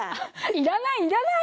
いらないいらない！